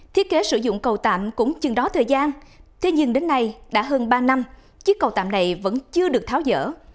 thiết kế sử dụng cầu tạm cũng chừng đó thời gian thế nhưng đến nay đã hơn ba năm chiếc cầu tạm này vẫn chưa được tháo dỡ